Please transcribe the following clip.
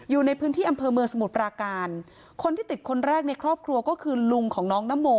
อยู่ในพื้นที่อำเภอเมืองสมุทรปราการคนที่ติดคนแรกในครอบครัวก็คือลุงของน้องนโม